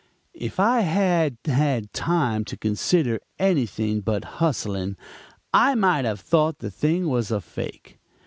"If I had had time to consider anything but hustling, I might have thought the thing was a fake.